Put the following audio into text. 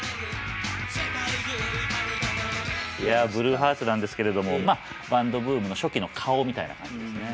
いやブルーハーツなんですけれどもバンドブームの初期の顔みたいな感じですね。